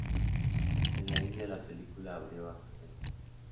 En la India, la película abrió a casa llena.